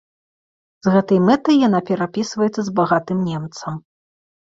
З гэтай мэтай яна перапісваецца з багатым немцам.